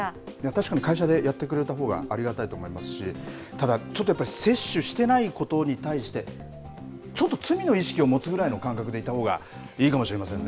確かに会社でやってくれたほうがありがたいと思いますし、ただ、ちょっとやっぱり、接種してないことに対して、ちょっと罪の意識を持つぐらいの感覚でいたほうがいいかもしれま